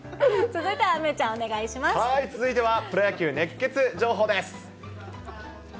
続いてはプロ野球熱ケツ情報です。